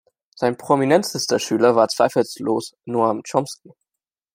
Sein prominentester Schüler war zweifellos Noam Chomsky.